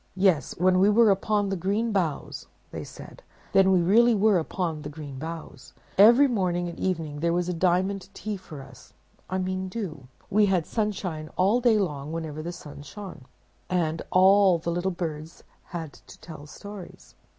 'Yes, when we were upon the green boughs,' they said, 'then we really were upon the green boughs! Every morning and evening there was diamond tea for us—I mean dew; we had sunshine all day long whenever the sun shone, and all the little birds had to tell stories.